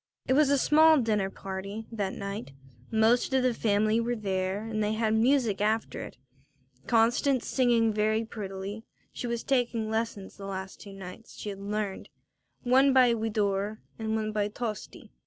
It was a small dinner party that night; most of the family were there and they had music after it, Constance singing very prettily she was taking lessons the last two songs she had learned, one by Widor and one by Tosti.